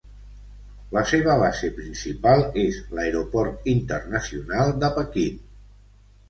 La seva base principal és l'Aeroport Internacional de Pequín.